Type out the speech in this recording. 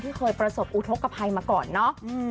เคยประสบอุทธกภัยมาก่อนเนาะ